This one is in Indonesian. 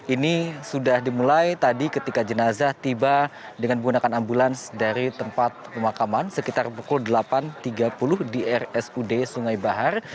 ini sudah dimulai tadi ketika jenazah tiba dengan menggunakan ambulans dari tempat pemakaman sekitar pukul delapan tiga puluh di rsud sungai bahar